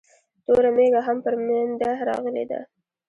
توره مېږه هم پر مينده راغلې ده